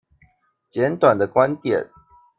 簡短的觀點